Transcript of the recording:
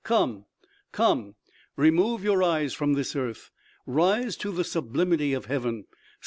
Come, come! Remove your eyes from this earth; rise to the sublimity of heaven.